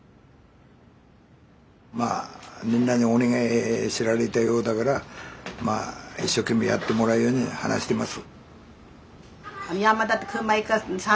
まあみんなにお願いせられたようだからまあ一生懸命やってもらうように話してます。